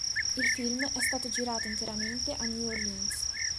Il film è stato girato interamente a New Orleans.